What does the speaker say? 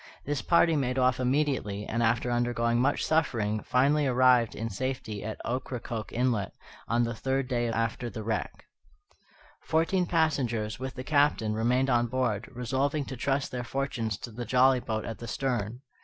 This party made off immediately, and, after undergoing much suffering, finally arrived in safety at Ocracoke Inlet, on the third day after the wreck. Fourteen passengers, with the Captain, remained on board, resolving to trust their fortunes to the jolly boat at the stern.